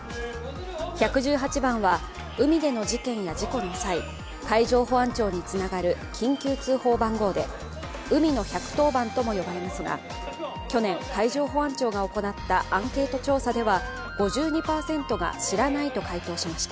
１１８番は海での事件や事故の際海上保安庁につながる緊急通報番号で、海の１１０番とも呼ばれますが、去年、海上保安庁が行ったアンケート調査では５２％が知らないと回答しました。